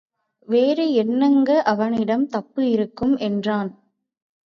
வேறு என்னங்க அவனிடம் தப்பு இருக்கு? என்றான்.